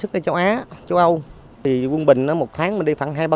để cho các bạn khuyết tập